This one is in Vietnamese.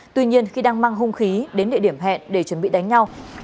tuy nhiên khi đang mang hung khí đến địa điểm hẹn để chuẩn bị đánh nhau